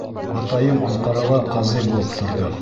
Атайым Анҡарала ҡазый булып торҙо.